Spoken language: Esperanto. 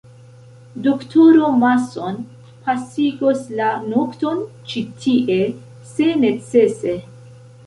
Doktoro Mason pasigos la nokton ĉi tie, se necese.